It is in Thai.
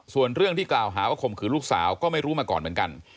ส่วนเรื่องที่กล่าวหาว่าข่มขืนลูกสาวก็ไม่รู้มาก่อนเหมือนกัน